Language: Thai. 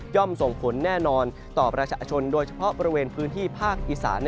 ส่งผลแน่นอนต่อประชาชนโดยเฉพาะบริเวณพื้นที่ภาคอีสาน